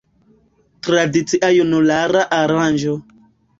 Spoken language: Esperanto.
Tradicia junulara aranĝo.